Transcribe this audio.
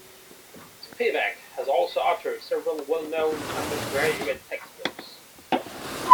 Spivak has also authored several well-known undergraduate textbooks.